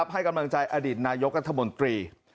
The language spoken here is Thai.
ให้กำลังใจอดิษฐ์นายกัฎธมนตรี